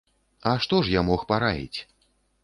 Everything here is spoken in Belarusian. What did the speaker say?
А што ж я мог параіць?